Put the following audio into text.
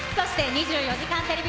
『２４時間テレビ』